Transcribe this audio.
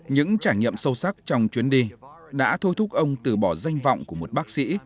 những trải nghiệm sâu sắc trong chuyến đi đã thôi thúc ông từ bỏ danh vọng của một bác sĩ